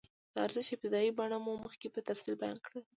د ارزښت ابتدايي بڼه مو مخکې په تفصیل بیان کړې ده